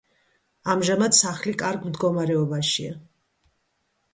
ამჟამად სახლი კარგ მდგომარეობაშია.